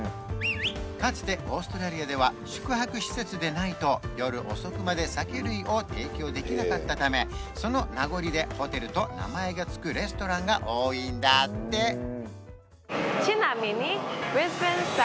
かつてオーストラリアでは宿泊施設でないと夜遅くまで酒類を提供できなかったためその名残で「ホテル」と名前が付くレストランが多いんだって正解は？